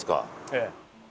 ええ。